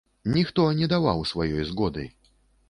Ніхто не даваў сваёй згоды.